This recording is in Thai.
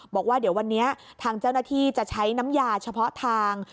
บอกว่าเดี๋ยววันนี้ทางเจ้าหน้าที่จะใช้น้ำยาเฉพาะทาง